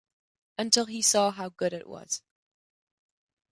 Until he saw how good it was.